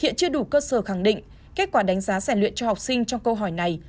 hiện chưa đủ cơ sở khẳng định kết quả đánh giá giải luyện cho học sinh trong câu hỏi này